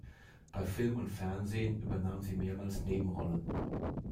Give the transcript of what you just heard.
Bei Film und Fernsehen übernahm sie mehrmals Nebenrollen.